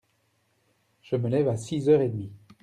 Je me lève à six heures et demi.